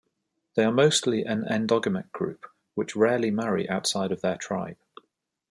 They are mostly an endogamic group which rarely marry outside of their tribe.